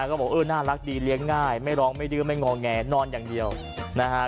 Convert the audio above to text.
ก็บอกเออน่ารักดีเลี้ยงง่ายไม่ร้องไม่ดื้อไม่งอแงนอนอย่างเดียวนะฮะ